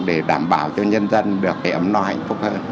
để đảm bảo cho nhân dân được cái ấm no hạnh phúc hơn